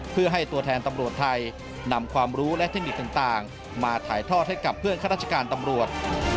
เพื่อให้ตัวแทนตำรวจไทยนำความรู้และเทคนิคต่างมาถ่ายทอดให้กับเพื่อนข้าราชการตำรวจ